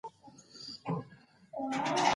سړک د کورنۍ غړو ترمنځ اړیکه جوړوي.